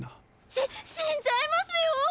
しっしんじゃいますよ！